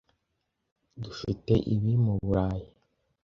dufite ibi mu Burayi.